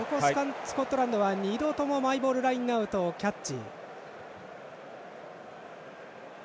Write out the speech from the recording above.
スコットランドは２度ともマイボールラインアウトをキャッチ。